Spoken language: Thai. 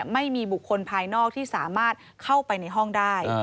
ไม่มีบุคคลภายนอกที่สามารถเข้าไปในห้องได้